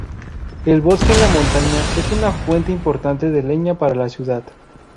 El bosque en la montaña es una fuente importante de leña para la ciudad.